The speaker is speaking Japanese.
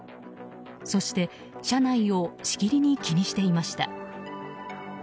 そして、車内をしきりに気にしていました。